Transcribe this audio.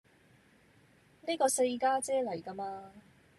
呢個四家姐嚟㗎嘛